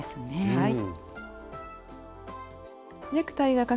はい。